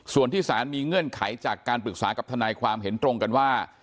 ส่วนที่สารมีเงื่อนไขจากการปรึกษากับทนายความเห็นตรงกันว่า